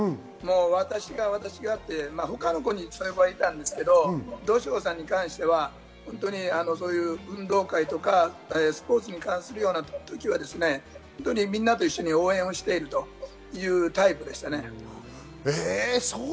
私が私がと、他の子にはいたんですけれど、土性さんに関しては運動会とかスポーツに関するようなときにはみんなと一緒に応援しているというタイプでしたね。